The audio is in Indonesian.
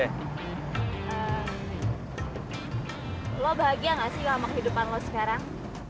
eh lo bahagia enggak sih sama kehidupan lo sekarang